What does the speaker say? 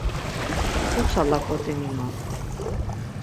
Uça laǩot̆i minon.